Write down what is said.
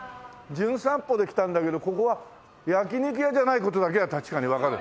『じゅん散歩』で来たんだけどここは焼肉屋じゃない事だけは確かにわかる。